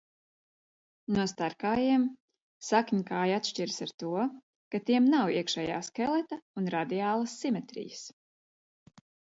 No starkājiem sakņkāji atšķiras ar to, ka tiem nav iekšējā skeleta un radiālas simetrijas.